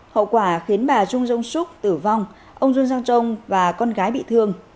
hậu quả khiến bà jung jong suk tử vong ông jun jang jong và con gái bị thương